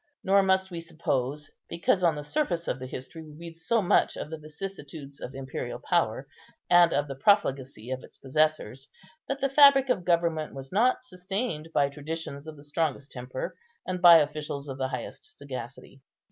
Nor must we suppose, because on the surface of the history we read so much of the vicissitudes of imperial power, and of the profligacy of its possessors, that the fabric of government was not sustained by traditions of the strongest temper, and by officials of the highest sagacity.